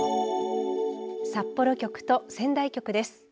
札幌局と仙台局です。